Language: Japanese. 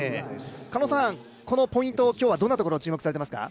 狩野さん、このポイントはどんなところに注目されていますか？